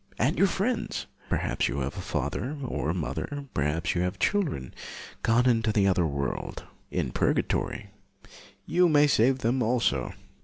And your friends, perhaps you have a father or a mother, perhaps you have children, gone into the other world, in purgatory, you may save them also.